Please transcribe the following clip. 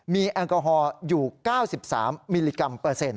มีแอลกอฮอล์อยู่๙๓มิลลิกรัมเปอร์เซ็นต